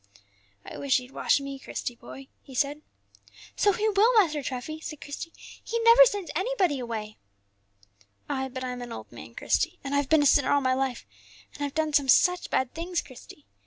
"I wish He'd wash me, Christie, boy," he said. "So He will, Master Treffy," said Christie; "He never sends anybody away." "Ay, but I'm an old man, Christie, and I've been a sinner all my life, and I've done some such bad things, Christie.